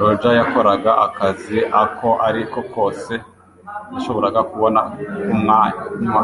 Roger yakoraga akazi ako ari ko kose yashoboraga kubona ku manywa.